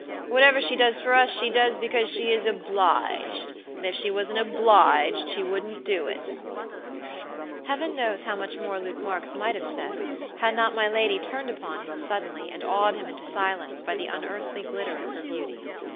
Whatever she does for us she does because she is obliged; and if she wasn't obliged she wouldn't do it" Heaven knows how much more Luke Marks might have said, had not my lady turned upon him suddenly and awed him into silence by the unearthly glitter of her beauty.